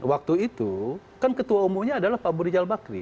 waktu itu kan ketua umumnya adalah pak budijal bakri